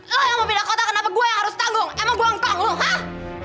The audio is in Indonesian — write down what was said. lo yang mau pindah kota kenapa gue yang harus tanggung emang gue ngongkong lo hah